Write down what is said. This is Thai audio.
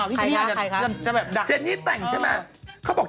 ใครคะใครคะ